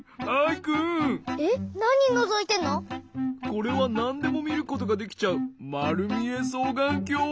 これはなんでもみることができちゃうまるみえそうがんきょう。